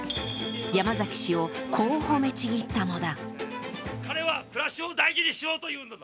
山崎氏をこう褒めちぎったのだ。